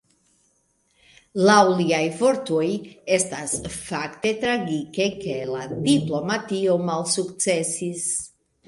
Laŭ liaj vortoj estas "fakte tragike, ke la diplomatio malsukcesis.